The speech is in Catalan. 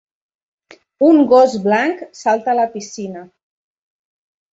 Un gos blanc salta a la piscina.